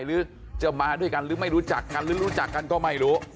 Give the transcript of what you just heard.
หรือจะมาด้วยกันหรือไม่รู้จักกันหรือรู้จักกันก็ไม่รู้